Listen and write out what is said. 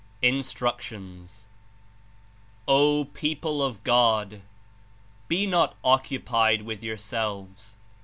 74.) INSTRLWTIONS "O people of God! Be not occupied with your selves.